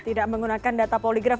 tidak menggunakan data poligraf